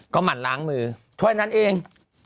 ก็หมั่นล้างมือเท่านั้นเอง